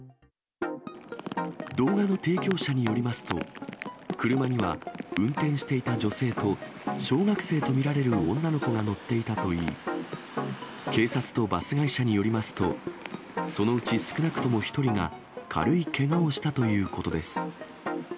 動画の提供者によりますと、車には運転していた女性と小学生と見られる女の子が乗っていたといい、警察とバス会社によりますと、そのうち少なくとも１人が、軽いけがをしたということです。